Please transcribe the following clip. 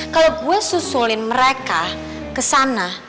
kalau gue susulin mereka ke sana